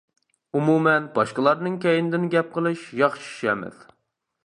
ئومۇمەن باشقىلارنىڭ كەينىدىن گەپ قىلىش ياخشى ئىش ئەمەس.